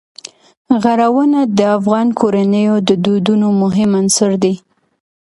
غرونه د افغان کورنیو د دودونو مهم عنصر دی.